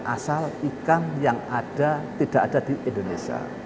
asal ikan yang ada tidak ada di indonesia